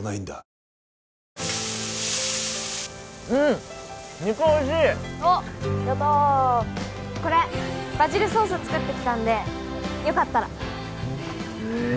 おっやったこれバジルソース作ってきたんでよかったらえっ